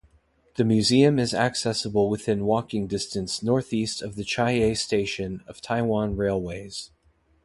The museum is accessible within walking distance northeast of Chiayi Station of Taiwan Railways.